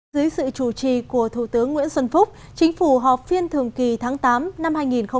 dưới sự chủ trì của thủ tướng nguyễn xuân phúc chính phủ họp phiên thường kỳ tháng tám năm hai nghìn một mươi chín